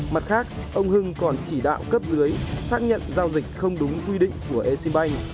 mặt khác ông hưng còn chỉ đạo cấp dưới xác nhận giao dịch không đúng quy định của eximbank